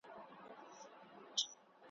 نعمتونه که یې هر څومره ډیریږي `